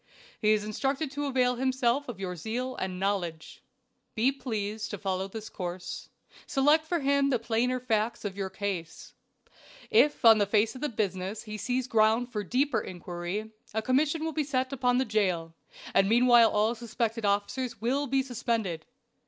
"He is instructed to avail himself of your zeal and knowledge. "Be pleased to follow this course. Select for him the plainer facts of your case. If on the face of the business he sees ground for deeper inquiry, a commission will sit upon the jail, and meanwhile all suspected officers will be suspended.